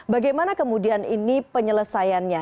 bagaimana kemudian ini penyelesaiannya